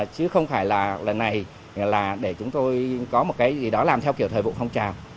chứ không phải là lần này là để chúng tôi có một cái gì đó làm theo kiểu thời vụ phong trào